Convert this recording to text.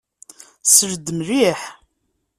Sel-d mliḥ!